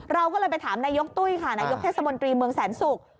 เราก็เลยไปถามนายกตุ้ยค่ะนายกเทศมนตรีเมืองแสนศุกร์